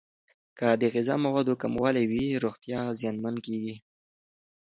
که د غذا موادو کموالی وي، روغتیا زیانمن کیږي.